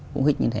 cú hích như thế